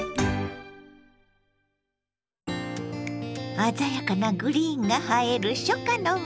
鮮やかなグリーンが映える初夏の豆。